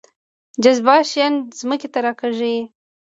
جاذبه شیان ځمکې ته راکاږي